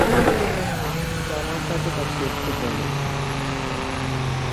জামাল তাকে তা করতে বলে।